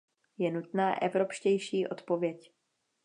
Je nutná evropštější odpověď.